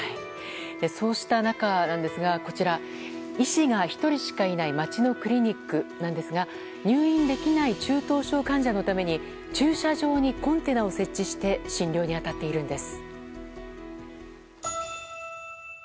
そうした中ですが医師が１人しかいない町のクリニックなんですが入院できない中等症患者のために駐車場にコンテナを設置して診療に当たっているんです。